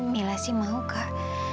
mila sih mau kak